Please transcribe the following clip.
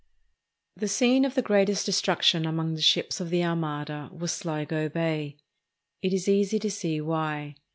] The scene of the greatest destruction among the ships of the Armada was Sligo Bay. It is easy to see why.